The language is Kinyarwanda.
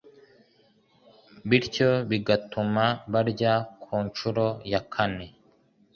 bityo bigatuma barya ku nshuro ya kane.